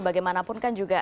bagaimanapun kan juga